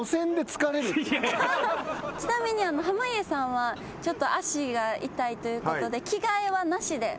ちなみに濱家さんは足が痛いということで着替えはなしで。